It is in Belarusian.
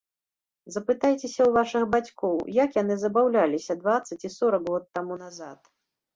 Запытайцеся ў вашых бацькоў, як яны забаўляліся дваццаць і сорак год таму назад.